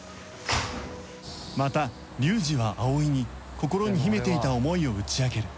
また龍二は葵に心に秘めていた思いを打ち明ける